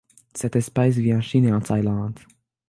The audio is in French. Cette espèce vit en Chine et en Thaïlande.